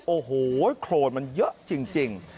โอ้โหโครนมันเยอะจริง